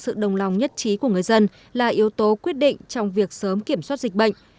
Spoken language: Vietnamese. sự đồng lòng nhất trí của người dân là yếu tố quyết định trong việc sớm kiểm soát dịch bệnh